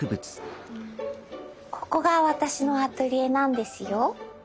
ここが私のアトリエなんですよ。